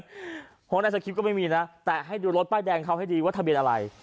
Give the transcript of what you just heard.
เพราะว่าในสคริปต์ก็ไม่มีนะแต่ให้ดูรถป้ายแดงเขาให้ดีว่าทะเบียนอะไร